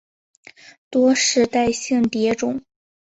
多世代性蝶种。